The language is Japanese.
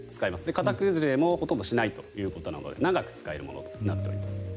形崩れもほとんどしないということなので長く使えるものとなっています。